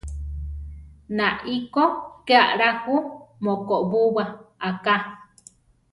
Nai kó ké ala jú mokobúwa aká.